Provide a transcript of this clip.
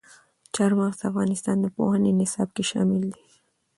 چار مغز د افغانستان د پوهنې نصاب کې شامل دي.